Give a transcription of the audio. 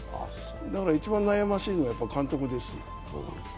だから一番悩ましいのは監督ですよ。